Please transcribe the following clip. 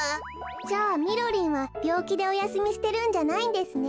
じゃあみろりんはびょうきでおやすみしてるんじゃないんですね。